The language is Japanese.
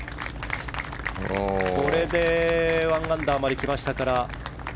これで１アンダーまできましたから。